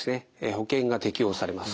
保険が適用されます。